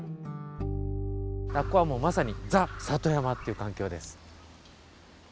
ここはまさにザ・里山っていう環境です。